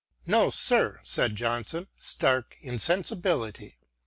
" No, sir," said John son, " stark insensibility."